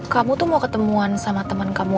kamu tuh mau ketemuan sama temen kamu